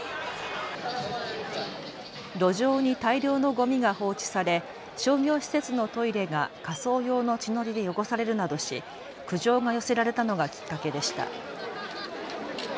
路上に大量のごみが放置され商業施設のトイレが仮装用の血のりで汚されるなどし、苦情が寄せられたのがきっかけでした。